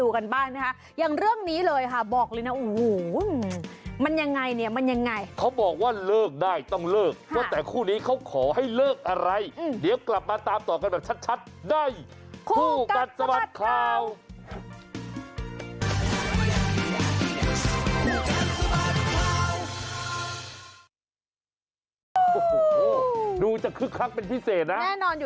ครูกันสมัติเท่าเศร้าอาทิตย์